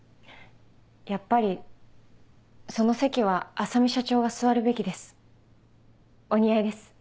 やっぱりその席は浅海社長が座るべきです。